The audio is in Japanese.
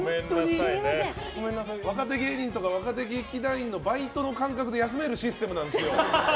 若手芸人とか若手劇団員とかバイトの感覚で休めるシステムなんですよ。